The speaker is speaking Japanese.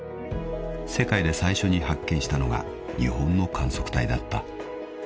［世界で最初に発見したのが日本の観測隊だった］